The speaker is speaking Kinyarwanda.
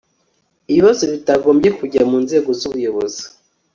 ibibazo bitagombye kujya mu nzego z'ubuyobozi